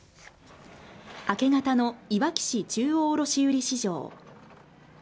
明け方のいわき市中央卸売市場。